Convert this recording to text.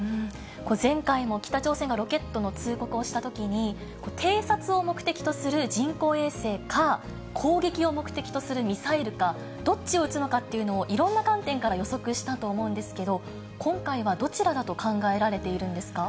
前回も北朝鮮がロケットの通告をしたときに、偵察を目的とする人工衛星か、攻撃を目的とするミサイルか、どっちを打つのかというのをいろんな観点から予測したと思うんですけど、今回はどちらだと考えられているんですか。